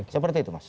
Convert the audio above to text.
seperti itu mas